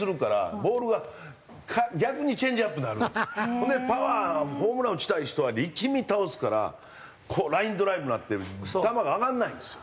ほんでパワーホームラン打ちたい人は力み倒すからこうラインドライブなって球が上がんないんですよ。